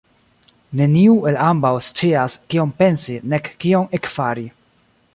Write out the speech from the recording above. Neniu el ambaŭ scias, kion pensi, nek kion ekfari.